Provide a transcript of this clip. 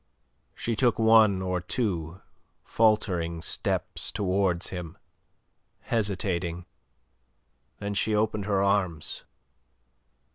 She took one or two faltering steps towards him, hesitating. Then she opened her arms.